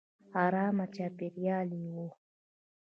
ارامه چاپېریال یې و.